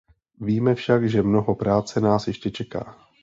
Víme však, že mnoho práce nás ještě čeká.